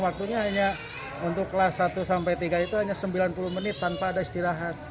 waktunya hanya untuk kelas satu sampai tiga itu hanya sembilan puluh menit tanpa ada istirahat